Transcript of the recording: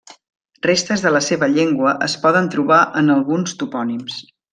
Restes de la seva llengua es poden trobar en alguns topònims.